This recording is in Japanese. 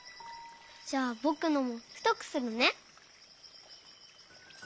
じゃあぼくのもふとくするね。